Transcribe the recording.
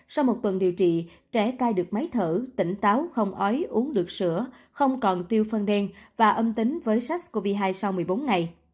sau một tuần điều trị trẻ cai được máy thở tỉnh táo không ói uống được sữa không còn tiêu phân đen và âm tính với sars cov hai sau một mươi bốn ngày